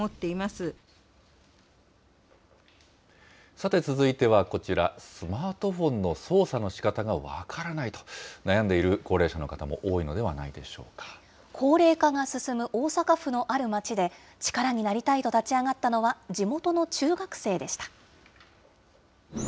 さて、続いてはこちら、スマートフォンの操作のしかたが分からないと悩んでいる高齢者の高齢化が進む大阪府のある町で、力になりたいと立ち上がったのは、地元の中学生でした。